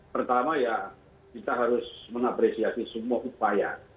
pertama ya kita harus mengapresiasi semua upaya